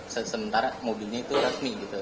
sementara mobilnya itu resmi gitu